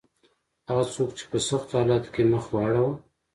هغه څوک چې په سختو حالاتو کې مخ واړاوه.